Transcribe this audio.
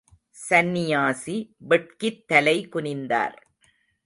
சந்நியாசி வெட்கித்தலை குனிந்தார்.